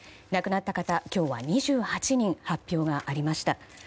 亡くなった方、今日は２８人発表がありました。